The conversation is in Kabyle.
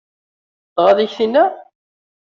Tɣaḍ-ik tinna?